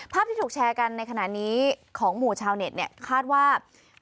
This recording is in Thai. ที่ถูกแชร์กันในขณะนี้ของหมู่ชาวเน็ตเนี่ยคาดว่า